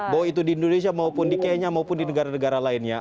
bahwa itu di indonesia maupun di kenya maupun di negara negara lainnya